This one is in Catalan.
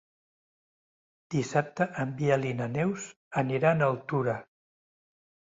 Dissabte en Biel i na Neus aniran a Altura.